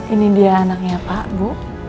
ini dia anaknya pak bu